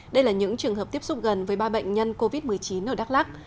đây là những trường hợp tiếp xúc gần với ba bệnh nhân covid một mươi chín ở đắk lắc